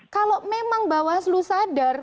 kalau memang bawaslu sadar